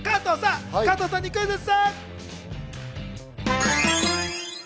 加藤さんにクイズッス！